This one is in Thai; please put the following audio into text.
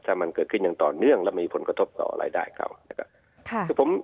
ถ้ามันเกิดขึ้นอย่างต่อเนื่องแล้วมีผลกระทบต่อรายได้เขานะครับ